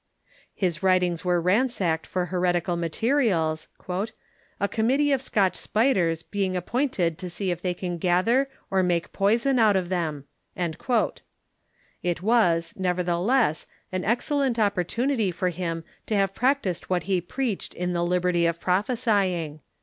His writings were ransacked for heretical materials, "a committee of Scotch spiders being ap pointed to see if they can gather or make poison out of them." It was, nevertheless^ an e'xcellent opportunity for him to have practised what he preached in the " Liberty of Prophesying."